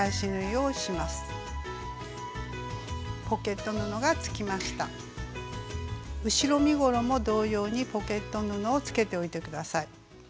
後ろ身ごろも同様にポケット布をつけておいて下さい。